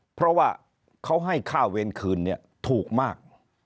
เพราะว่าเขาให้ค่าเวรคืนเนี่ยถูกมาก